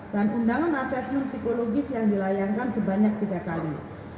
dan undangan asesmen psikologis yang dilayankan sebanyak tiga kali